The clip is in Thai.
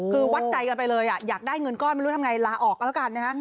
คือวัดใจกันไปเลยอยากได้เงินก้อนไม่รู้ทำไงลาออกก็แล้วกันนะฮะ